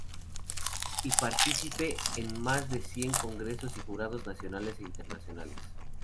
Y partícipe en más de cien congresos y jurados nacionales e internacionales.